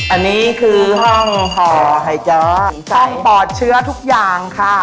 อันนี้คือห้องห่อไข่จอห้องปลอดเชื้อทุกอย่างค่ะ